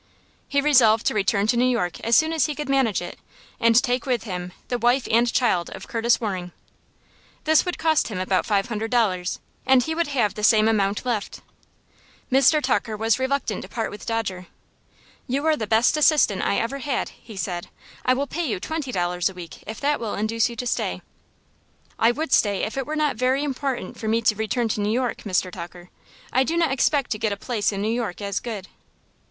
He resolved to return to New York as soon as he could manage it, and take with him the wife and child of Curtis Waring. This would cost him about five hundred dollars, and he would have the same amount left. Mr. Tucker was reluctant to part with Dodger. "You are the best assistant I ever had," he said. "I will pay you twenty dollars a week, if that will induce you to stay." "I would stay if it were not very important for me to return to New York, Mr. Tucker. I do not expect to get a place in New York as good."